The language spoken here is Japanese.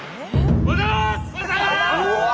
おはようございます！